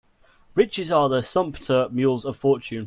Riches are the sumpter mules of fortune.